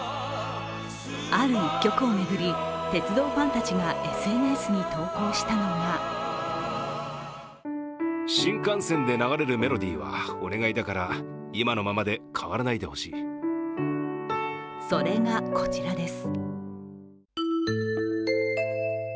ある１曲を巡り、鉄道ファンたちがＳＮＳに投降したのがそれがこちらです。